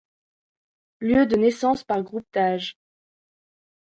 Lieu de naissance par groupe d'âge.